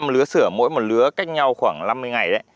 lứa sửa mỗi một lứa cách nhau khoảng năm mươi ngày đấy